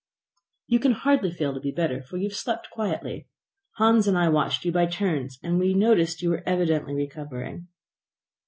"You can hardly fail to be better, for you have slept quietly. Hans and I watched you by turns, and we have noticed you were evidently recovering."